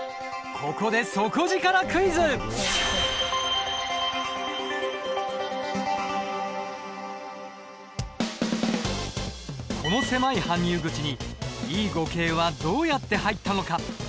ここでこの狭い搬入口にＥ５系はどうやって入ったのか。